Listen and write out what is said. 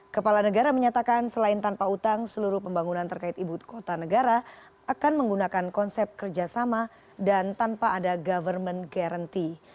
kepala negara menyatakan selain tanpa utang seluruh pembangunan terkait ibu kota negara akan menggunakan konsep kerjasama dan tanpa ada government guarantee